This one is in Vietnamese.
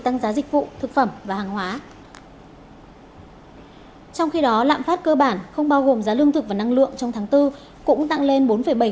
trong khi đó lạm phát cơ bản không bao gồm giá lương thực và năng lượng trong tháng bốn cũng tăng lên bốn bảy